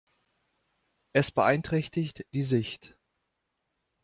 Es beeinträchtigt die Sicht.